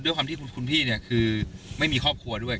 ด้วยความที่คุณพี่เนี่ยคือไม่มีครอบครัวด้วย